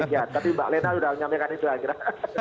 ya tapi mbak lena sudah menyampaikan itu akhirnya